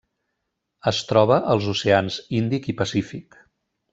Es troba als oceans Índic i Pacífic.